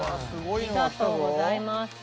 ありがとうございます。